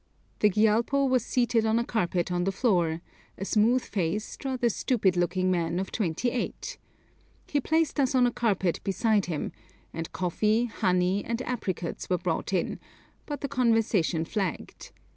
[Illustration: THE CASTLE OF STOK] The Gyalpo was seated on a carpet on the floor, a smooth faced, rather stupid looking man of twenty eight. He placed us on a carpet beside him, and coffee, honey, and apricots were brought in, but the conversation flagged.